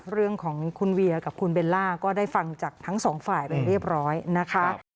เรื่องของคุณเวียกับคุณเบลล่าก็ได้ฟังจากทั้งสองฝ่ายไปเรียบร้อยนะคะ